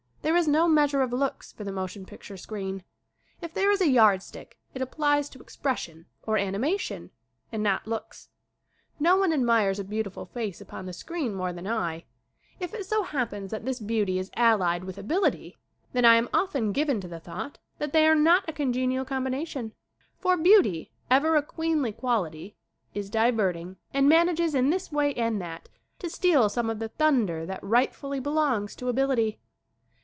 There is no measure of looks for the motion picture screen. If there is a yardstick it applies to ex pression, or animation, and not looks. No one admires a beautiful face upon the screen more than I. If it so happens that this beauty is allied with ability then I am often given to the thought that they are not a con genial combination. For beauty, ever a queenly quality, is diverting and manages in this way and that to steal some of the thunder that rightfully belongs to ability.